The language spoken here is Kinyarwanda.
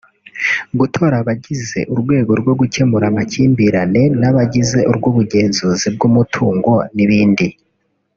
gutora abagize urwego rwo gukemura amakimbirane n’abagize urw’ubugenzuzi bw’umutungo n’ibindi